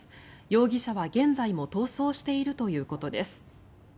容疑者は現在も逃走しているということです。